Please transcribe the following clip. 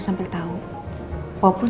sampai tau wapun soalnya mama rosa